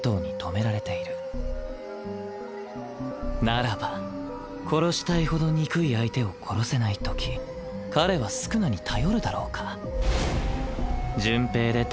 ならば殺したいほど憎い相手を殺せないとき彼は宿儺に頼るだろうか？